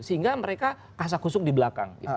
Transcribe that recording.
sehingga mereka kasak kusuk di belakang